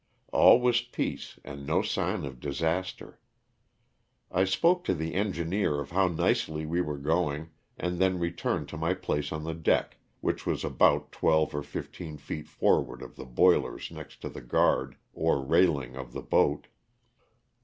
All was peace and no sign of disaster. I spoke to the engineer of how nicely we were going and then returned to my place on the deck, which was about twelve or fifteen feet forward of the boilers next to the guard or railing of the boat.